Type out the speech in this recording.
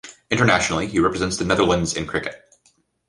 Internationally, he represents the Netherlands in cricket.